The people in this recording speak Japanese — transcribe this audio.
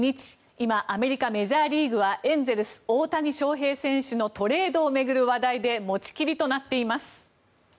今、アメリカ・メジャーリーグはエンゼルス、大谷翔平選手のトレードを巡る話題で持ちきりとなっています。